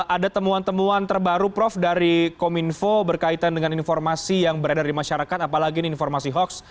ada temuan temuan terbaru prof dari kominfo berkaitan dengan informasi yang beredar di masyarakat apalagi ini informasi hoax